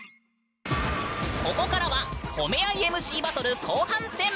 ここからは褒め合いＭＣバトル後半戦。